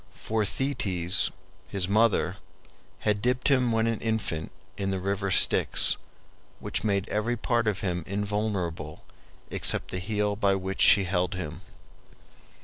For Thetis his mother had dipped him when an infant in the river Styx, which made every part of him invulnerable except the heel by which she held him.